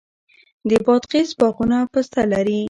د بادغیس باغونه پسته لري.